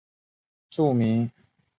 著名演员周采芹是她的姑姑。